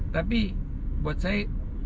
tapi buat saya